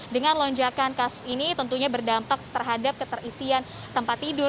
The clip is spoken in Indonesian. dengan lonjakan kasus ini tentunya berdampak terhadap keterisian tempat tidur